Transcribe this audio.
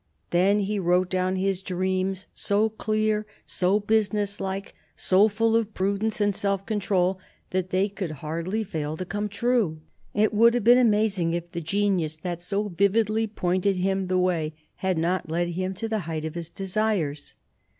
Then he wrote down his dreams, so clear, so businesshke, so full of prudence and self control, that they could hardly fail to come true. It would have been amazing if the genius that so vividly pointed him the way had not led him to the height of his desires.